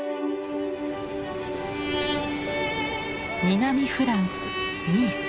南フランス・ニース。